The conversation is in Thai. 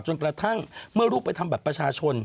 กระทั่งเมื่อลูกไปทำบัตรประชาชน